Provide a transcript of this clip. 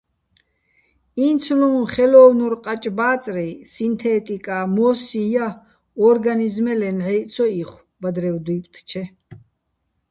ინცლუჼ ხელო́ვნურ ყაჭ-ბა́წრი, სინთე́ტიკა́ მო́სსიჼ ჲა, ო́რგანიზმელეჼ ნჵაჲჸ ცო იხო̆, ბადრევ დუჲპტჩე.